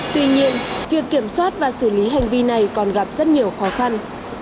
tuy nhiên việc kiểm soát và xử lý hành vi này còn gặp rất nhiều khó khăn